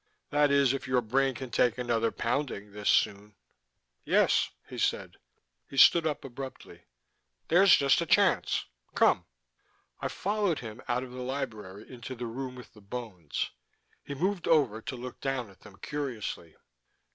That is, if your brain can take another pounding this soon." "Yes," he said. He stood up abruptly. "There's just a chance. Come!" I followed him out of the library into the room with the bones. He moved over to look down at them curiously.